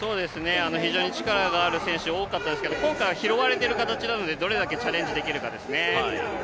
非常に力がある選手多かったですけど今回は拾われている形なのでどれだけチャレンジできるかですね。